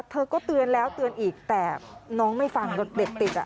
เธอก็เตือนแล้วเตือนอีกแต่น้องไม่ฟังรถเด็กติดอ่ะ